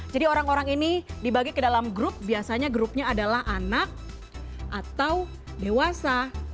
jadi orang orang ini dibagi ke dalam grup biasanya grupnya adalah anak atau dewasa